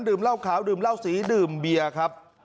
เหล้าขาวดื่มเหล้าสีดื่มเบียร์ครับ